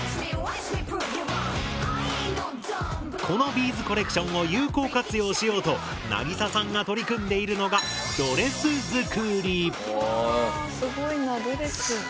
このビーズコレクションを有効活用しようとなぎささんが取り組んでいるのがはすごいなドレス。